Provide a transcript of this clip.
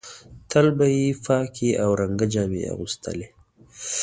تل به یې پاکې او رنګه جامې اغوستلې.